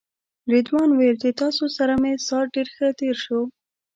رضوان ویل چې تاسو سره مې ساعت ډېر ښه تېر شو.